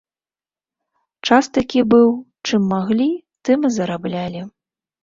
Час такі быў, чым маглі, тым і зараблялі.